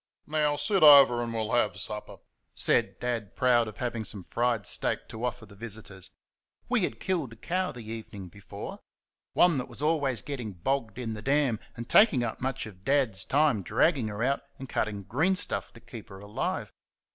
"Now, sit over, and we'll have supper," said Dad, proud of having some fried steak to offer the visitors. We had killed a cow the evening before one that was always getting bogged in the dam and taking up much of Dad's time dragging her out and cutting greenstuff to keep her alive.